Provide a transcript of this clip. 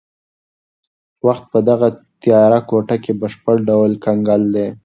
وخت په دغه تیاره کوټه کې په بشپړ ډول کنګل دی.